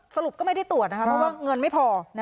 สรุปก็ไม่ได้ตรวจนะคะเพราะว่าเงินไม่พอ